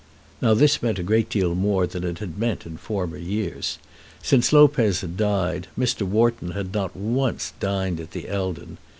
Now this meant a great deal more than it had meant in former years. Since Lopez had died Mr. Wharton had not once dined at the Eldon.